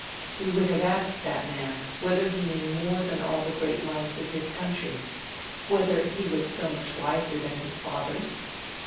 We would have asked that man whether he knew more than all the great minds of his country, whether he was so much wiser than his fathers?